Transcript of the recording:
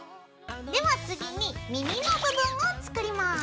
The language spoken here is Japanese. では次に耳の部分を作ります。